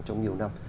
trong nhiều năm